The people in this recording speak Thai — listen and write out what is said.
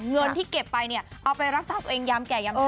เงินที่เก็บไปเอาไปรับสร้างตัวเองยามแก่ยามเท่า